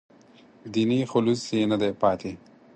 دیني خلوص یې نه دی پاتې.